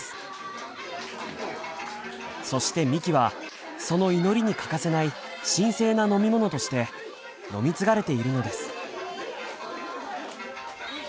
そしてみきはその祈りに欠かせない神聖な飲み物として飲み継がれているのです。